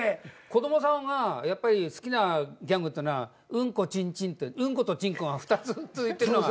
子供さんが好きなギャグっていうのは「うんこちんちん」ってうんことちんこが２つついてるのが。